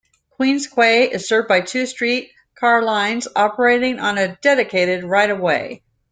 Queens Quay is served by two streetcar lines, operating on a dedicated right-of-way.